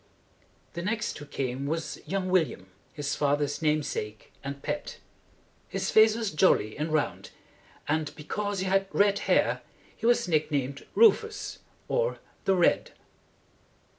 The next who came was young William, his father's name sake and pet. His face was jolly and round, and because he had red hair he was nicknamed Rufus, or the Red.